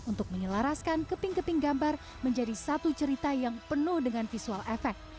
untuk menyelaraskan keping keping gambar menjadi satu cerita yang penuh dengan visual efek